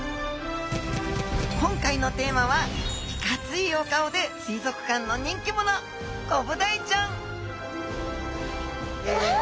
今回のテーマはいかついお顔で水族館の人気者コブダイちゃん！わ！